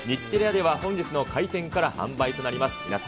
日テレ屋では本日の開店から販売となります。